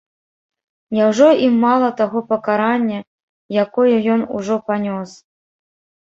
Няўжо ім мала таго пакарання, якое ён ужо панёс?